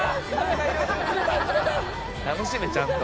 「楽しめちゃんと」